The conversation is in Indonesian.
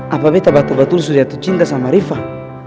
apa betah betul betul sudah tuh cinta sama rifai